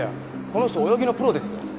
この人泳ぎのプロですよ。